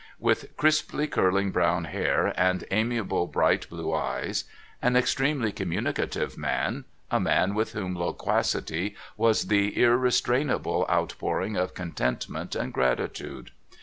With crisply curling brown hair, and amiable bright blue eyes. An extremely communicative man : a man with whom loquacity was the irrestrainable outpouring of contentment and gratitude.